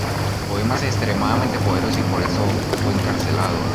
El poema es extremadamente poderoso y por ello fue encarcelado.